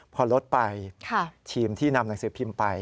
พอลดไปทีมที่นำหนังสือพิมพ์ไป